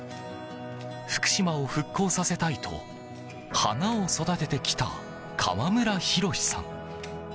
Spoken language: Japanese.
福島を復興させたいと花を育ててきた川村博さん。